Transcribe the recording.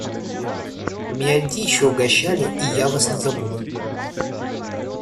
Вы меня дичью угощали, и я вас не забуду.